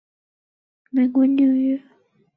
现住美国纽约。